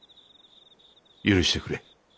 許してくれ。